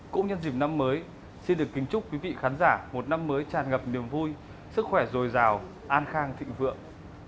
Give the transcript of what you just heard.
cũng nhân dịp năm mới xin được kính chúc quý vị khán giả một năm mới tràn ngập niềm vui sức khỏe rồi rào an khang thị vượng